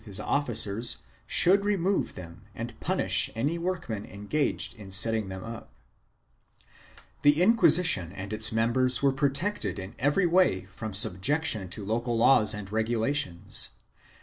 II] SUPERIORITY TO LA W 365 his officers should remove them and punish any workmen engaged in setting them up.1 The Inquisition and its members were protected in every way from subjection to local laws and regulations.